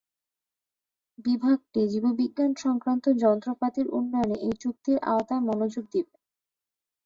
বিভাগটি জীববিজ্ঞান সংক্রান্ত যন্ত্রপাতির উন্নয়নে এই চুক্তির আওতায় মনোযোগ দিবে।